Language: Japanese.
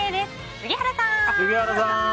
杉原さん！